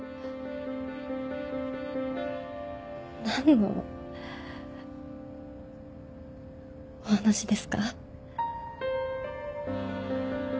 何のお話ですか？